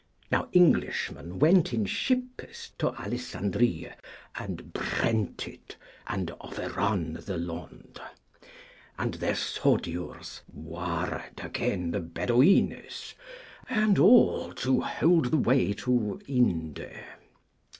Now Englishmen went in shippes to Alessandrie, and brent it, and over ran the Lond, and their soudyours warred agen the Bedoynes, and all to hold the way to Ynde.